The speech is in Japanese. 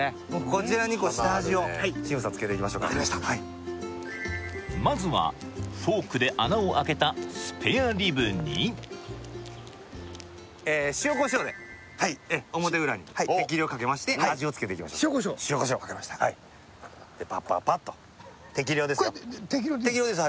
こちらに下味を慎吾さんつけていきましょう分かりましたはいまずはフォークで穴をあけたスペアリブに塩コショウで表裏に適量かけまして味をつけていきましょう塩コショウ分かりましたパッパッパと適量ですよ適量？